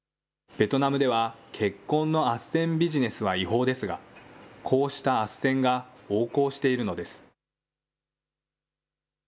ベトナムでは、結婚のあっせんビジネスは違法ですが、こうしたあっせんが横行しているのです。